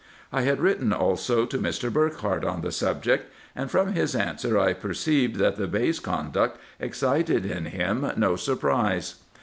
I had written also to Mr. Burckhardt on the subject, and from his answer I perceived, that the Bey's conduct excited in him no surprise.